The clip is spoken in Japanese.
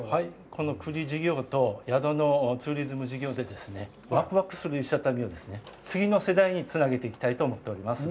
この栗事業と宿のツーリズム事業で、わくわくする石畳を次の世代につなげていきたいと思っております。